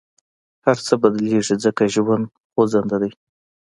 هر څه بدلېږي، ځکه ژوند خوځنده دی.